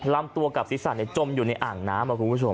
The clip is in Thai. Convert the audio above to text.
ลำตัวกับศีรษะจมอยู่ในอ่างน้ำครับคุณผู้ชม